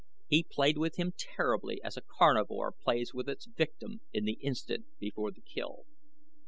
He played with him terribly as a carnivore plays with its victim in the instant before the kill.